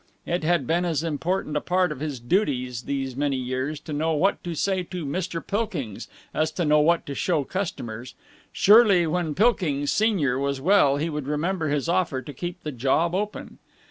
It had been as important a part of his duties, these many years, to know what to say to Mr. Pilkings as to know what to show to customers. Surely when Pilkings, senior, was well he would remember his offer to keep the job open.